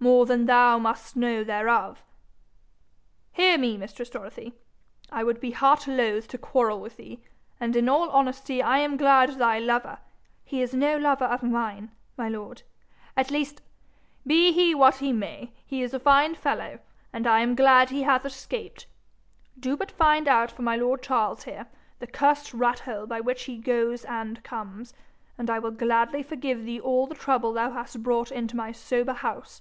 More than thou must know thereof. Hear me, mistress Dorothy: I would be heart loath to quarrel with thee, and in all honesty I am glad thy lover ' 'He is no lover of mine, my lord! At least ' 'Be he what he may, he is a fine fellow, and I am glad he hath escaped. Do thou but find out for my lord Charles here the cursed rat hole by which he goes and comes, and I will gladly forgive thee all the trouble thou hast brought into my sober house.